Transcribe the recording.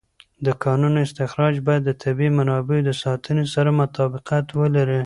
د کانونو استخراج باید د طبیعي منابعو د ساتنې سره مطابقت ولري.